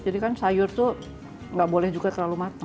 jadi kan sayur tuh nggak boleh juga terlalu matang